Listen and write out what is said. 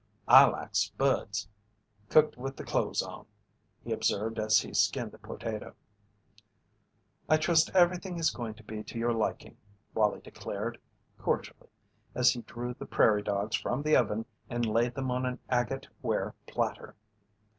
"I like spuds cooked with the clothes on," he observed as he skinned a potato. "I trust everything is going to be to your liking," Wallie declared, cordially, as he drew the prairie dogs from the oven and laid them on an agate ware platter.